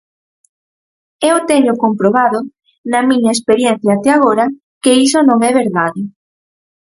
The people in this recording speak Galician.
Eu teño comprobado, na miña experiencia até agora, que iso non é verdade.